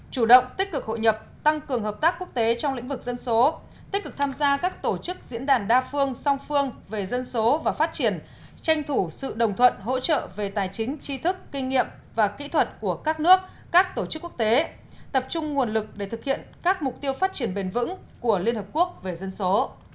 chủ động tích cực hội nhập tăng cường hợp tác quốc tế trong lĩnh vực dân số tích cực tham gia các tổ chức diễn đàn đa phương song phương về dân số và phát triển tranh thủ sự đồng thuận hỗ trợ về tài chính chi thức kinh nghiệm và kỹ thuật của các nước các tổ chức quốc tế tập trung nguồn lực để thực hiện các mục tiêu phát triển bền vững của liên hợp quốc về dân số